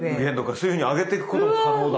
そういうふうに上げてくことも可能だ。